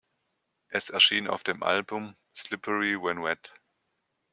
Es erschien auf dem Album "Slippery When Wet".